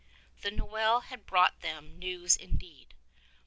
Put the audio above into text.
The Noel had brought them news indeed!